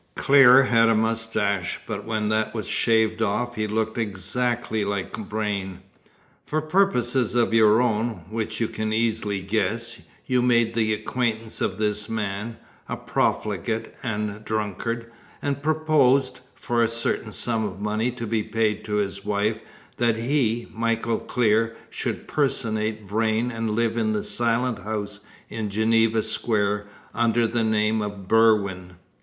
Clear had a moustache, but when that was shaved off he looked exactly like Vrain. For purposes of your own, which you can easily guess, you made the acquaintance of this man, a profligate and a drunkard, and proposed, for a certain sum of money to be paid to his wife, that he, Michael Clear, should personate Vrain and live in the Silent House in Geneva Square, under the name of Berwin.